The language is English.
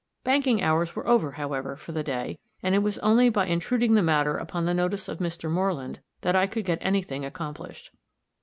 Banking hours were over, however, for the day, and it was only by intruding the matter upon the notice of Mr. Moreland that I could get any thing accomplished.